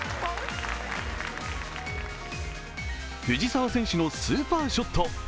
藤澤選手のスーパーショット。